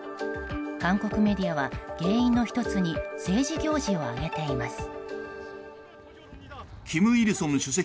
韓国メディアは原因の１つに政治行事を挙げています。